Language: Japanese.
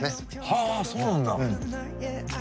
はあそうなんだ。